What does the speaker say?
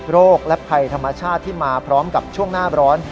และภัยธรรมชาติที่มาพร้อมกับช่วงหน้าร้อน